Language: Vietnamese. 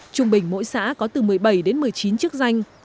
trung bình mỗi xã có từ một mươi bảy đến một mươi chín chức danh